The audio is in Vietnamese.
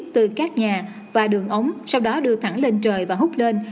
từ các nhà và đường ống sau đó đưa thẳng lên trời và hút lên